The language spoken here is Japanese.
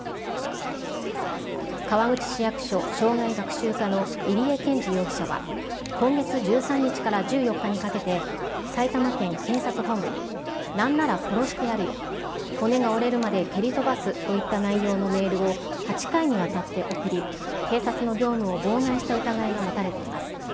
川口市役所生涯学習課の入江憲治容疑者は、今月１３日から１４日にかけて埼玉県警察本部に、なんなら殺してやるよ、骨が折れるまで蹴り飛ばすといった内容のメールを８回にわたって送り、警察の業務を妨害した疑いが持たれています。